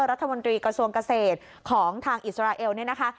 รัฐมนตรีกระทรวงเกษตรของทางอิสราเอลเนี่ยนะคะ